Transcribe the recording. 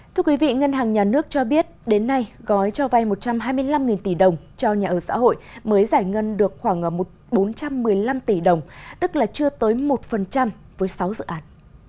thưa quý vị ngân hàng nhà nước cho biết đến nay gói cho vay một trăm hai mươi năm tỷ đồng cho nhà ở xã hội mới giải ngân được khoảng bốn trăm một mươi năm tỷ đồng tức là chưa tới một với sáu dự án